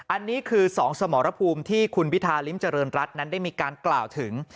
อันนี้คือ๒สมรภูมิที่คุณพิธาริมเจริญรัฐนั้นได้มีการกล่าวถึง